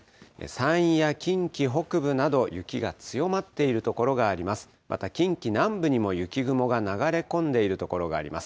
山陰や近畿北部など、雪が強まっている所があります。